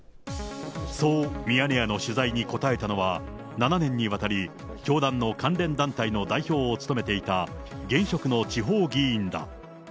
そうミヤネ屋の取材に答えたのは、７年にわたり、教団の関連団体の代表を務めていた現職の地方議員だ。